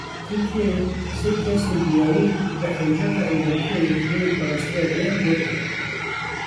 Tirkiyeyê sê kêsên biyanî bi hinceta endamtiya Yekîneyên Parastina Gel girtin.